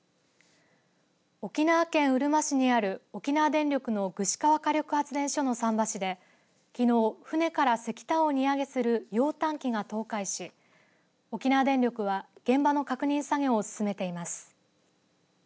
沖縄県うるま市にある沖縄電力の具志川火力発電所の桟橋できのう船から石炭を荷揚げする揚炭機が倒壊し沖縄電力は現場の確認作業を進めています。